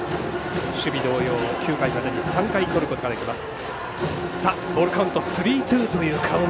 守備同様９回までに３回とることができます。